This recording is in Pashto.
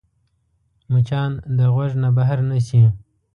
مچان د غوږ نه بهر نه شي